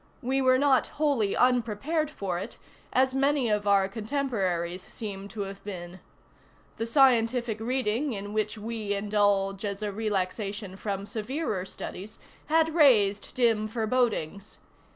We were not wholly unprepared for it, as many of our contemporaries seem to have been. The scientific reading in which we indulge as a relaxation from severer studies had raised dim forebodings.